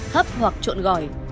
hấp hoặc trộn gỏi